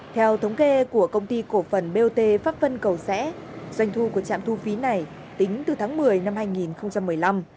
theo thống kê của công ty cổ phần bot pháp vân cầu rẽ doanh thu của trạm thu phí này tính từ tháng một mươi năm hai nghìn một mươi năm đến tháng ba năm hai nghìn một mươi năm